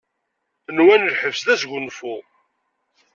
Nwan lḥebs d asgunfu.